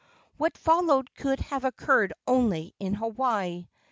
What followed could have occurred only in Hawaii.